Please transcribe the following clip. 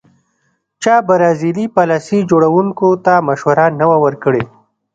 چا برازیلي پالیسي جوړوونکو ته مشوره نه وه ورکړې.